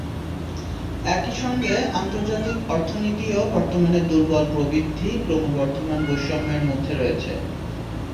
একই সঙ্গে আন্তর্জাতিক অর্থনীতিও বর্তমানে দুর্বল প্রবৃদ্ধি, ক্রমবর্ধমান বৈষম্যের মধ্যে রয়েছে।